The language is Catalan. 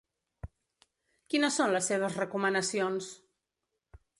Quines són les seves recomanacions?